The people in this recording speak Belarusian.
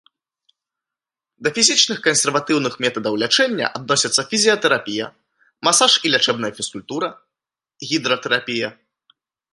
Да фізічных кансерватыўных метадаў лячэння адносяцца фізіятэрапія, масаж і лячэбная фізкультура, гідратэрапія.